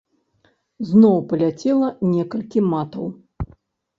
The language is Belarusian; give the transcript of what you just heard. Зноў паляцела некалькі матаў.